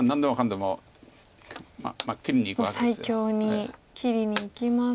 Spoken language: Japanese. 最強に切りにいきますと。